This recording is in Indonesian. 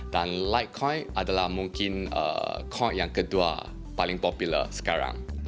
dan litecoin adalah mungkin coin yang kedua paling populer sekarang